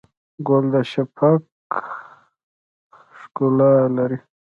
ګل د شفق ښکلا لري.